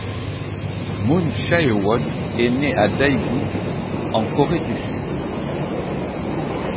Moon Chae-won est née à Daegu, en Corée du Sud.